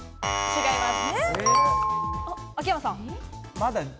違います。